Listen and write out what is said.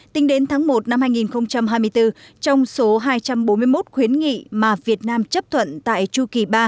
tính đến tháng một năm hai nghìn hai mươi bốn trong số hai trăm bốn mươi một khuyến nghị mà việt nam chấp thuận tại chu kỳ ba